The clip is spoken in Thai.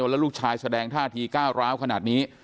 แล้วลูกชายแสดงท่าทีก้าวร้าวขนาดนี้